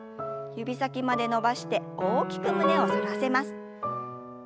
指先まで伸ばして大きく胸を反らせます。